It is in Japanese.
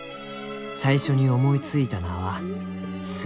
「最初に思いついた名は『スミレ』。